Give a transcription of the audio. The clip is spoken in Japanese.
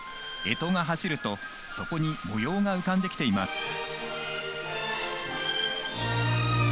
干支が走るとそこに模様が浮かんできています。